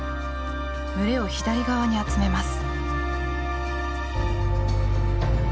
群れを左側に集めます。